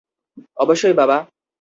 অবশ্যই, বাবা!